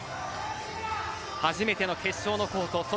初めての決勝のコート